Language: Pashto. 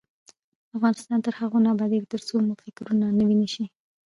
افغانستان تر هغو نه ابادیږي، ترڅو مو فکرونه نوي نشي.